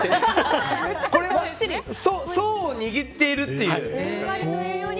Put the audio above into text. これは層を握っているっていう。